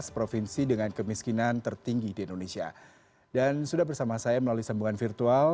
provinsi dengan kemiskinan tertinggi di indonesia dan sudah bersama saya melalui sambungan virtual